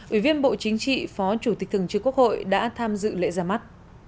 ủy viên bộ chính trị phó chủ tịch thường trực quốc hội đã tham dự lễ ra mắt